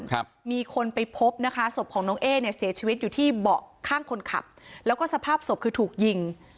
ครับมีคนไปพบนะคะศพของน้องเอ๊เนี่ยเสียชีวิตอยู่ที่เบาะข้างคนขับแล้วก็สภาพศพคือถูกยิง